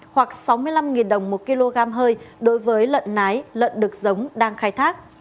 hoặc sáu mươi năm đồng một kg hơi đối với lợn nái lợn đực giống đang khai thác